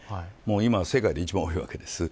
今世界で一番多いです。